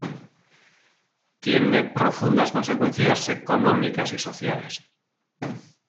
Tiene profundas consecuencias económicas y sociales.